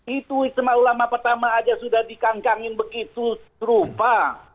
itu istimewa ulama pertama saja sudah dikangkangin begitu serupa